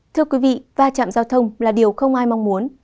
thưa quý vị va chạm giao thông là điều không ai mong muốn